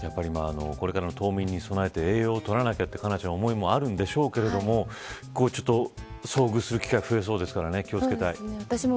これからの冬眠に備えて栄養を取らなくという思いもあるんでしょうけれど遭遇する機会増えそうですから気を付けたい。